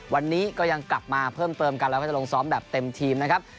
วันนี้ก็ยังกลับมาเพิ่มเติมกันแล้วก็จะลงซ้อมแบบเต็มทีมนะครับ